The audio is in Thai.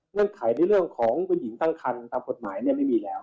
เงื่อนไขในเรื่องของผู้หญิงตั้งครรภ์ตามผลหมายไม่มีแล้ว